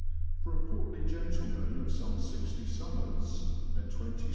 For a portly gentleman of some sixty summers, and 20st.